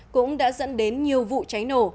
cũng đã dẫn đến nhiều vụ cháy nổ